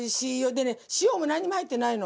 でね塩もなんにも入ってないの。